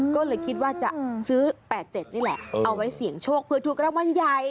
ก็เลยคิดว่าจะซื้อ๘๗นี่แหละเอาไว้เสี่ยงโชคเพื่อถูกรางวัลใหญ่